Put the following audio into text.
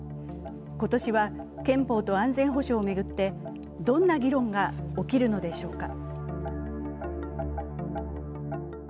今年は憲法と安全保障を巡って、どんな議論が起きるのでしょうか。